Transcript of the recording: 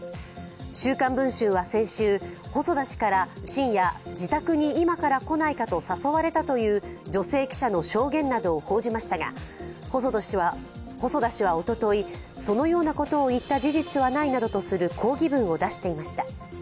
「週刊文春」は先週、細田氏から深夜、自宅に今から来ないかと誘われたという女性記者の証言などを報じましたが細田氏はおととい、そのようなことを言った事実はないなどとする抗議文を出していました。